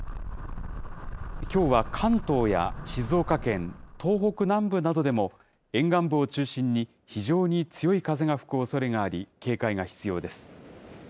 きょうは関東や静岡県、東北南部などでも沿岸部を中心に非常に強い風が吹くおそれがあり、警戒が必要です。